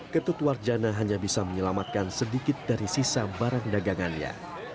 ketut warjana hanya bisa menyelamatkan sedikit dari sisa barang dagangannya